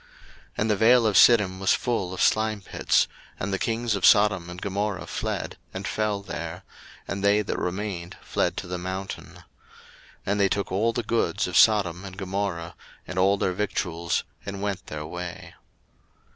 01:014:010 And the vale of Siddim was full of slimepits; and the kings of Sodom and Gomorrah fled, and fell there; and they that remained fled to the mountain. 01:014:011 And they took all the goods of Sodom and Gomorrah, and all their victuals, and went their way.